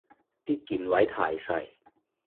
啲鍵位太細